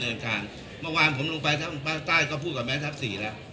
บรรยาการเมื่อวานผมต้องไปทั้งประสาทก็พูดกับแม่ทัพสี่แล้ว